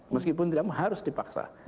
meskipun tidak harus dipaksa